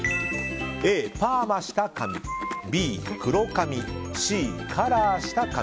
Ａ、パーマした髪Ｂ、黒髪Ｃ、カラーした髪。